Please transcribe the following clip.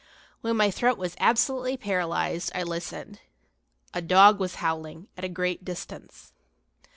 When my throat was absolutely paralyzed I listened. A dog was howling, at a great distance.